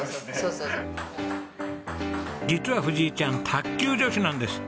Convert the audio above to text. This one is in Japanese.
実は藤井ちゃん卓球女子なんです。